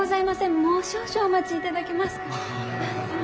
もう少々お待ちいただけますか。